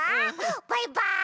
バイバーイ！